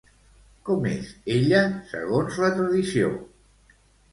Com és ella, segons la tradició?